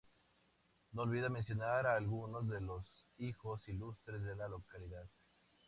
No olvida mencionar a algunos de los "hijos ilustres" de la localidad.